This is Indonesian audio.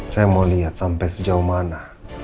saya mau lihat sampai sejauh mana